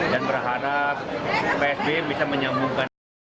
dan berharap psb bisa menyambungkan